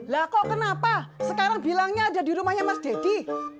lah kok kenapa sekarang bilangnya ada di rumahnya mas deddy